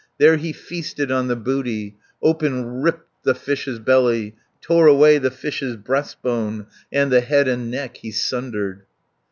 There he feasted on the booty, Open ripped the fish's belly, Tore away the fish's breastbone, And the head and neck he sundered.